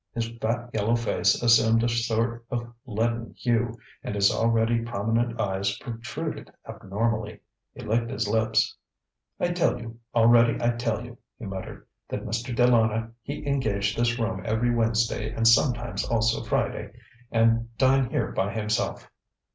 His fat yellow face assumed a sort of leaden hue, and his already prominent eyes protruded abnormally. He licked his lips. ŌĆ£I tell you already I tell you, ŌĆØ he muttered, ŌĆ£that Mr. De Lana he engage this room every Wednesday and sometimes also Friday, and dine here by himself.